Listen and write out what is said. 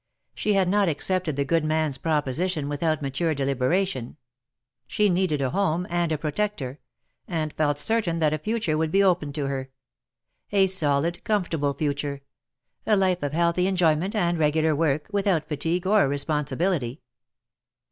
She had not accepted the good man's proposition without mature deliberation. She needed a home and a protector, and felt certain that a future would be opened to her — a solid, comfortable future — a life of healthy enjoy ment and regular work, without fatigue or responsibility.